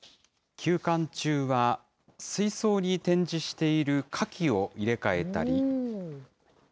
休館中は水槽に展示しているカキを入れ替えたり。